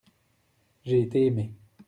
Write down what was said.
J’ai été aimé.